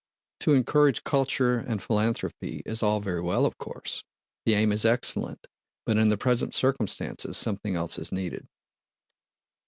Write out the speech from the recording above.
To encourage culture and philanthropy is all very well of course. The aim is excellent but in the present circumstances something else is needed."